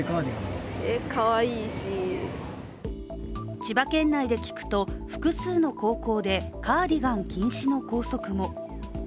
千葉県内で聞くと、複数の高校でカーディガン禁止の校則も。